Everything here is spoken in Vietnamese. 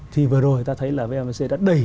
thì vừa rồi ta thấy là vamc đã đẩy